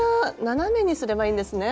斜めにすればいいんですね。